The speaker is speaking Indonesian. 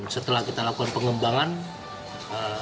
setelah kita lakukan pengembangan